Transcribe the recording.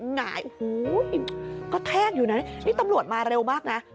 หงายโอ้โหกระแทกอยู่นะนี่ตำรวจมาเร็วมากนะ